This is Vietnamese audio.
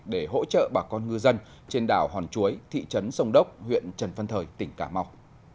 để hỗ trợ bà con ngư dân trên đảo hòn chuối thị trấn sông đốc huyện trần văn thời tỉnh cà mau